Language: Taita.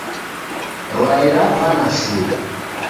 Rwai ravana shuu.